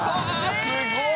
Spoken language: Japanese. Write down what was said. すごい！